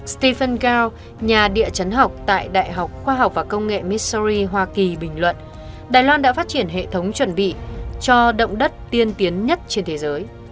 stephen gao nhà địa chấn học tại đại học khoa học và công nghệ missory hoa kỳ bình luận đài loan đã phát triển hệ thống chuẩn bị cho động đất tiên tiến nhất trên thế giới